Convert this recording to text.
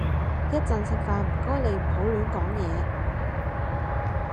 一陣食飯唔該你唔好亂講嘢